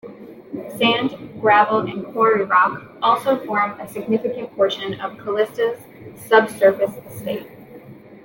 Sand, gravel, and quarry rock also form a significant portion of Calista's subsurface estate.